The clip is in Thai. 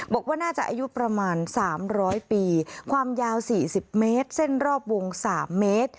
บอกว่าน่าจะอายุประมาณสามร้อยปีความยาวสี่สิบเมตรเส้นรอบวงสามเมตร